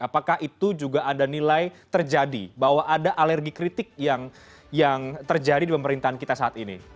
apakah itu juga ada nilai terjadi bahwa ada alergi kritik yang terjadi di pemerintahan kita saat ini